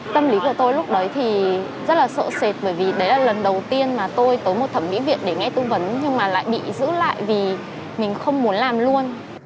tâm lý của tôi lúc đấy thì rất là sợ sệt bởi vì đấy là lần đầu tiên mà tôi tới một thẩm mỹ viện để nghe tư vấn nhưng mà lại bị giữ lại vì mình không muốn làm luôn